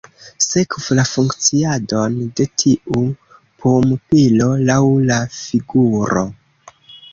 Sekvu la funkciadon de tiu pumpilo laŭ la figuro.